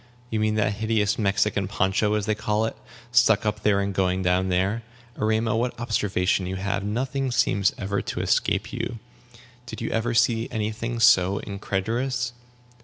You mean that hideous Mexican poncho, as they called it, stuck up here, and going down there. Erema, what observation you have! Nothing ever seems to escape you. Did you ever see any thing so indecorous?"